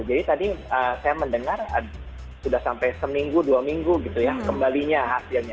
jadi tadi saya mendengar sudah sampai seminggu dua minggu gitu ya kembalinya hasilnya